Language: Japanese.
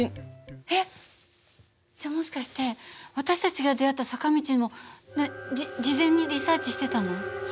えっじゃあもしかして私たちが出会った坂道もじ事前にリサーチしてたの？